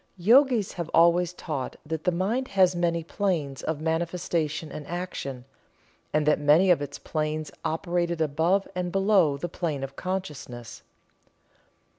The Yogis have always taught that the mind has many planes of manifestation and action and that many of its planes operated above and below the plane of consciousness.